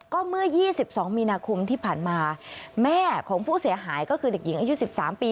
ก็เมื่อยี่สิบสองมีนาคมที่ผ่านมาแม่ของผู้เสียหายก็คือเด็กหญิงอายุสิบสามปี